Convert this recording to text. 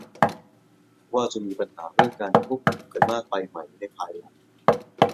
ว่าจะมีปัญหาเรื่องการควบคุมกันมากไปไหมในภายหลัง